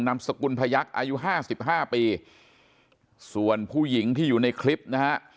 สกุลพยักษ์อายุห้าสิบห้าปีส่วนผู้หญิงที่อยู่ในคลิปนะฮะ